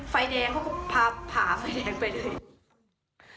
ไฟแดงเขาก็พาผ่าไฟแดงไปเลย